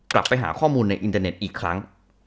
กลับไปหาข้อมูลในอินเทอร์เน็ตอีกครั้ง